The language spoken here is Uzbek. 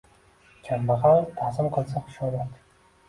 Kambag’al ta’zim qilsa-xushomad.